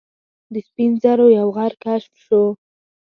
د سپین زرو یو غر کشف شو.